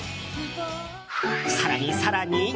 更に更に。